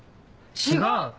違う！